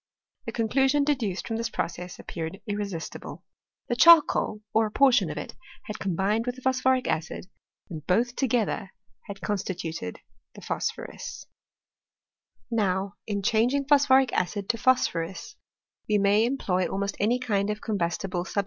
The conclusion de^* duced ffQii^ this piocess appeared irresistible; the charcoal, or a portion of it, had combined with the phQ^phoric acid, and both together h^d constituted phosphonm. Now, in changing phosphoric acid into phosphorus, we may employ almost any kind of combustible sub?